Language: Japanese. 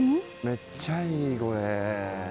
めっちゃいいこれ。